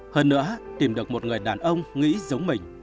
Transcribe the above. hơn nữa tìm được một người đàn ông nghĩ giống mình